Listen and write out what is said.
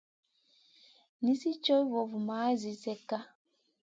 Nizi cow vovumaʼa zi slekka.